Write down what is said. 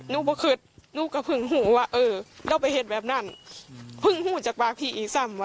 นุบพุธจินุลขาพั้งหูวะเออเราไปเจอแบบนั้นพึงหูจากบ้างให้ไ๊ซมไว้